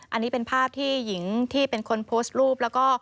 อันนี้เป็นภาพที่หญิงที่เป็นคนโพสต์รูปแล้วก็